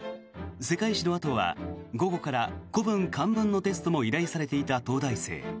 世界史のあとは午後から古文・漢文のテストも依頼されていた東大生。